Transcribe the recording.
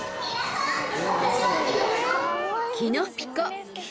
［キノピコ］